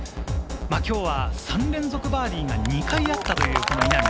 今日は３連続バーディーが２回あったという稲見。